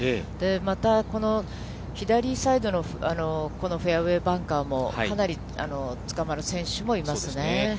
また、この左サイドのこのフェアウエーバンカーも、かなりつかまる選手もいますね。